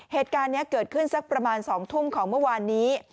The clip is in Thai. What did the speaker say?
เหตุการณ์นี้เกิดขึ้นสักประมาณ๒ทุ่มของเมื่อวานนี้